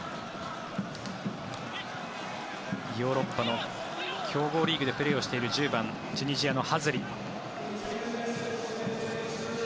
ヨーロッパの強豪リーグでプレーしている１０番、チュニジアのハズリ。